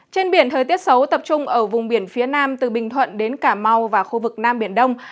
trên biển thời tiết xấu tập trung ở vùng biển phía nam từ bình thuận đến cà mau và khu vực nam biển đông